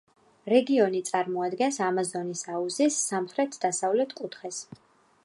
რეგიონი წარმოადგენს ამაზონის აუზის სამხრეთ-დასავლეთ კუთხეს.